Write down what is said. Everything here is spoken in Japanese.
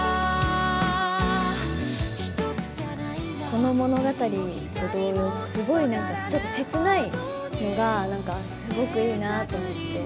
この物語と同様、すごい、なんかちょっと切ないのが、なんかすごくいいなと思って。